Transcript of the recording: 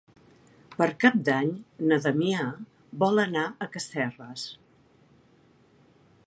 Per Cap d'Any na Damià vol anar a Casserres.